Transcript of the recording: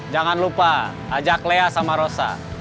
jangan lupa ajak lea sama rosa